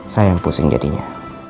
saya yang pusing jadinya